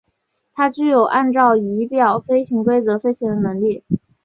它具有按照仪表飞行规则飞行的能力。